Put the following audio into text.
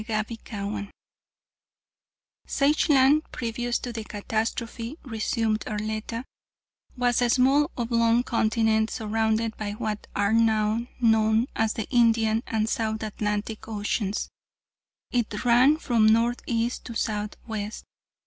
CHAPTER XX "Sageland, previous to the catastrophe," resumed Arletta, "was a small oblong continent surrounded by what are now known as the Indian and South Atlantic Oceans. It ran from north east to southwest.